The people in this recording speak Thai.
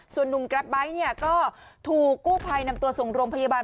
ส่วนหนุ่มกรัฟไบท์ก็ถูกกู้ภัยนำตัวสงรมพยาบาล